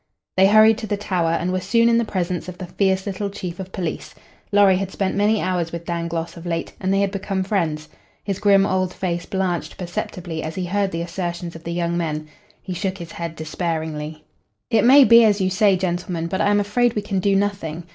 They hurried to the Tower, and were soon in the presence of the fierce little chief of police. Lorry had spent many hours with Dangloss of late, and they had become friends. His grim old face blanched perceptibly as he heard the assertions of the young men. He shook his head despairingly. "It may be as you say, gentlemen, but I am afraid we can do nothing.